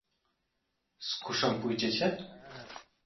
"Z kuszą pójdziecie?"